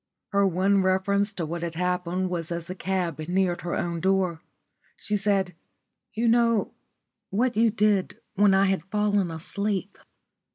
Her one reference to what had happened was as the cab neared her own door. She said, "You know what you did when I had fallen asleep.